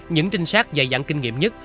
những trinh sát dày dặn kinh nghiệm nhất